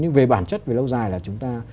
nhưng về bản chất về lâu dài là chúng ta